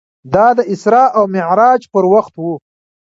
دا د اسرا او معراج پر وخت و.